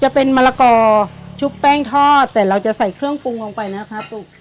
จะเป็นมะละกอชุบแป้งทอดแต่เราจะใส่เครื่องปรุงลงไปนะครับลูก